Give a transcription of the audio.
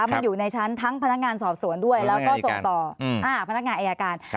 มันอยู่ในชั้นทั้งพนักงานสอบสวนด้วยแล้วก็ส่งต่อพนักงานอายการ